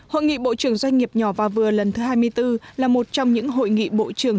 hội nghị bộ trưởng doanh nghiệp nhỏ và vừa lần thứ hai mươi bốn là một trong những hội nghị bộ trưởng